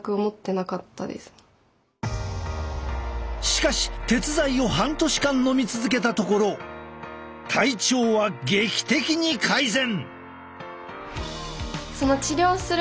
しかし鉄剤を半年間のみ続けたところ体調は劇的に改善！